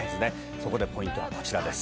そこでポイントはこちらです。